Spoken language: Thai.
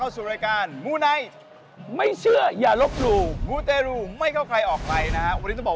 สวัสดีครับ